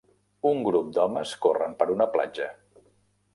Un grup d'homes corren per una platja.